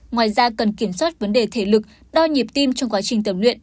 ngoài ra cần kiểm soát vấn đề thể lực đo nhịp tim trong quá trình tập luyện